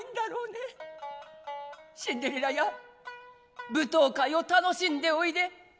シンデレラや舞踏会を楽しんでおいで」。